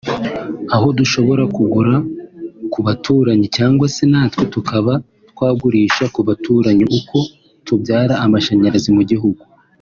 aho dushobora kugura ku baturanyi cyangwa se natwe tukaba twagurisha ku baturanyi […] Uko tubyara amashanyarazi mu gihugu